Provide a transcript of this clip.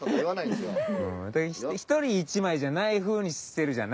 で１人１枚じゃないふうにしてるじゃん。